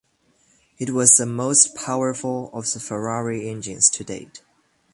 It was the most powerful of the Ferrari engines to date.